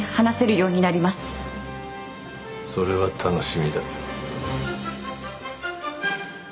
それは楽しみだ。